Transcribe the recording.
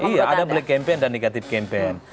iya ada black campaign dan negatif campaign